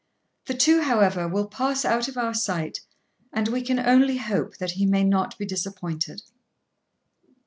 The two, however, will pass out of our sight, and we can only hope that he may not be disappointed.